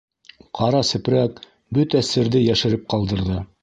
Ҡара сепрәк бөтә серҙе йәшереп ҡалдырҙы.